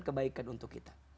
kebaikan untuk kita